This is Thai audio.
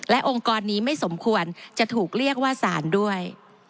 และองค์กรนี้ไม่สมควรจะถูกเรียกว่าสารด้วย